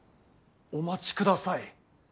お待ちください。